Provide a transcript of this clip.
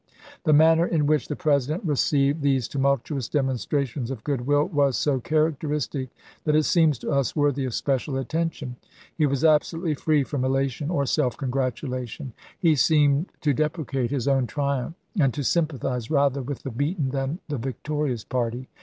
The manner in which the President received these tumultuous demonstrations of good will was so characteristic that it seems to us worthy of special attention. He was absolutely free from elation or self congratulation. He seemed to deprecate his own triumph and to sympathize rather with the beaten than the victorious party.